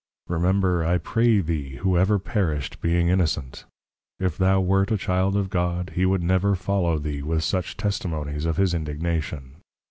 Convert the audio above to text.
Remember, I pray thee, who ever perished, being Innocent? If thou wert a Child of God, He would never follow thee, with such Testimonies of his Indignation.